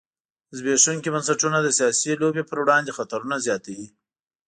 زبېښونکي بنسټونه د سیاسي لوبې پر وړاندې خطرونه زیاتوي.